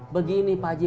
begini pak haji